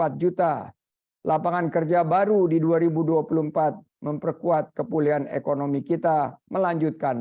empat juta lapangan kerja baru di dua ribu dua puluh empat memperkuat kepulian ekonomi kita melanjutkan